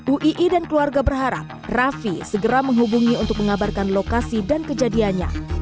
uii dan keluarga berharap raffi segera menghubungi untuk mengabarkan lokasi dan kejadiannya